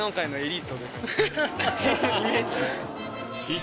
イメージ。